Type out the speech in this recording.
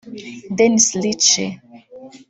Dennis Ritchie